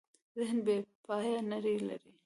ذهن بېپایه نړۍ لري.